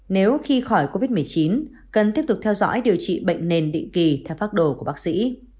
nếu khi khỏi covid một mươi chín cần tiếp tục theo dõi điều trị bệnh nền định kỳ theo pháp đồ của bác sĩ